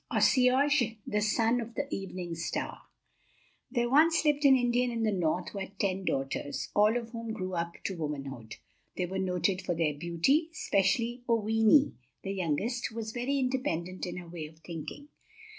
OSSEOJ THE SON OF THE EVENING STAR |THERE once lived an Indian in the north who had ten daughters, all of whom grew up to womanhood. They were noted for their beauty, especially Oweenee, the youngest, who was very independent in her way of thinking.